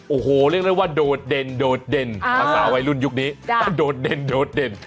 โอ้โหเรียกได้ว่าโดดเด่นภาษาวัยรุ่นยุคนี้โดดเด่น